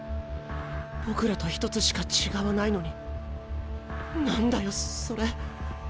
僕らと１つしか違わないのに何だよそれ。